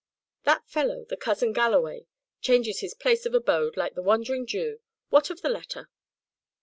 That fellow, the cousin Galloway, changes his place of abode like the Wandering Jew. What of the letter?"